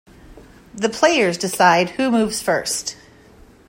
The players decide who moves first.